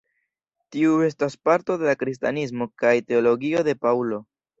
Tiu estas parto de la kristanismo kaj teologio de Paŭlo.